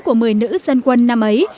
của một mươi nữ dân quân năm ấy